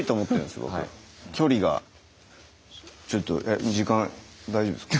ちょっと時間大丈夫ですか？